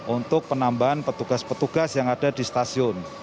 untuk penambahan petugas petugas yang ada di stasiun